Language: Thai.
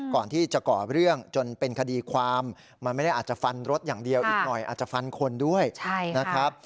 ก่อนที่จะก่อเรื่องจนเป็นคดีความมันไม่ได้อาจจะฟันรถอย่างเดียวอีกหน่อยอาจจะฟันคนด้วยนะครับ